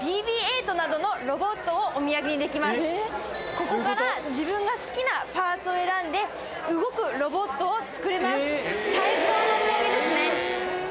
ここから自分が好きなパーツを選んで動くロボットを作れます最高のお土産ですね